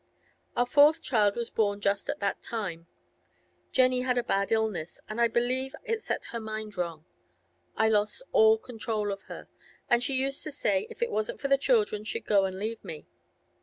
Our fourth child was born just at that time; Jenny had a bad illness, and I believe it set her mind wrong. I lost all control of her, and she used to say if it wasn't for the children she'd go and leave me.